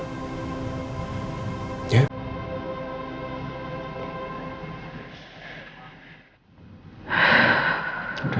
udah tenangin diri dulu